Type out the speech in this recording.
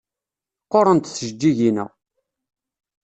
Qqurent tjeǧǧigin-a.